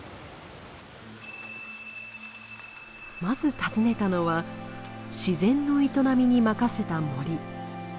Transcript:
まず訪ねたのは自然の営みに任せた森。